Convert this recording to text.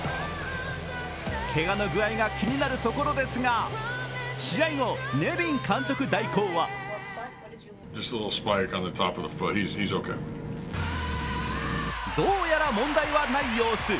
けがの具合が気になるところですが、試合後、ネビン監督代行はどうやら問題はない様子。